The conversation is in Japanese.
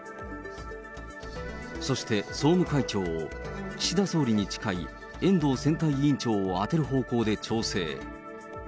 そして、総務会長を岸田総理に近い遠藤選対委員長を充てる方向で調整。